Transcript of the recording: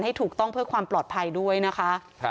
ให้ถูกต้องเพื่อความปลอดภัยด้วยนะคะ